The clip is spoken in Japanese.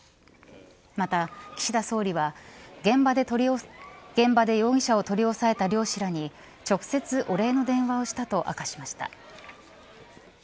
また、岸田総理は現場で容疑者を取り押さえた漁師らに直接お礼の電話をしたと明かしました。